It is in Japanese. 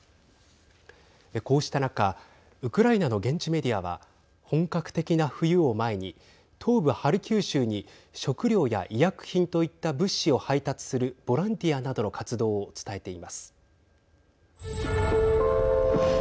こうした中ウクライナの現地メディアは本格的な冬を前に東部ハルキウ州に食料や医薬品といった物資を配達するボランティアなどの活動を伝えています。